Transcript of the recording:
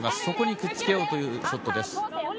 そこにくっつけようというショットです。